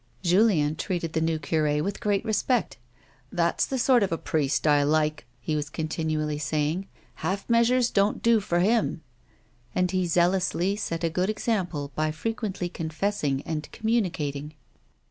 Julien treated the new cure with great respect. " That's the sort of priest I like," he was continually saying. "Half measures don't do for him," and he zealously set a good example by frequently confessing and communicating.